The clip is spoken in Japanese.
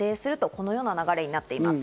このような流れになっています。